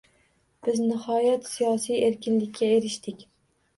Biz, nihoyat, siyosiy erkinlikka erishdik